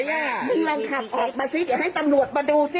มึงลองขับออกมาซิเดี๋ยวให้ตำรวจมาดูสิ